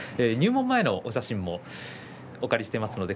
入門前のお写真もお借りしています。